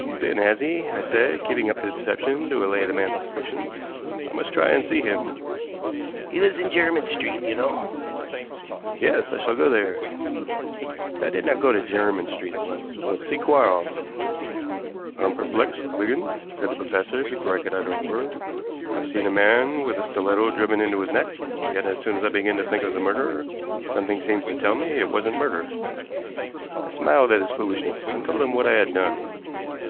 "He's been, has he?" I said, keeping up the deception to allay the man's suspicions. "I must try and see him." "He lives in Jermyn Street, you know." "Yes; I shall go there." But I did not go to Jermyn Street at once; I went to see Quarles. "I'm perplexed, Wigan," said the professor before I could utter a word. "I've seen a man with a stiletto driven into his neck, yet, as soon as I begin to think of the murderer, something seems to tell me it wasn't murder." I smiled at his foolishness and told him what I had done.